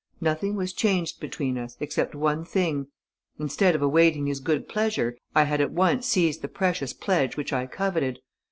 Nothing was changed between us, except one thing: instead of awaiting his good pleasure, I had at once seized the precious pledge which I coveted.